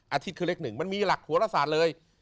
อาทิตย์คือเลข๑มันมีหลักถูกหัวละสารเลย